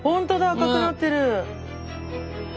赤くなってる！